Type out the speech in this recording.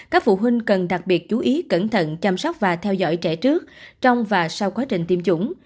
các phụ huynh cần đặc biệt chú ý cẩn thận chăm sóc và theo dõi trẻ trước trong và sau quá trình tiêm chủng